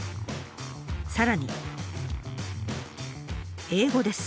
さらに英語です。